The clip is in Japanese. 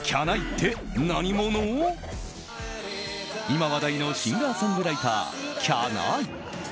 今話題のシンガーソングライターきゃない。